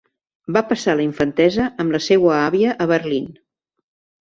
Va passar la infantesa amb la seua àvia a Berlín.